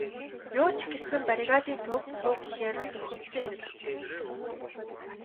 Юу ч гэсэн бригадын төвд суу гэхээр нь бухимдсан хэрэг.